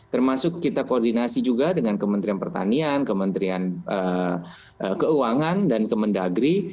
termasuk kita koordinasi juga dengan kementerian pertanian kementerian keuangan dan kemendagri